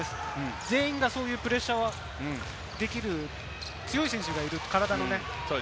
全員がそういうプレッシャーができる強い選手がいる、体がね。